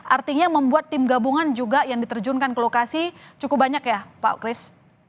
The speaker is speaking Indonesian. artinya membuat tim gabungan juga yang diterjunkan ke lokasi cukup banyak ya pak kris